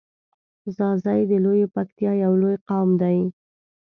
ځاځی د لویی پکتیا یو لوی قوم دی.